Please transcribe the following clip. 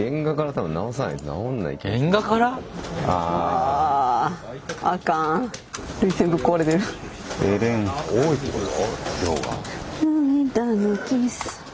多いってこと？量が。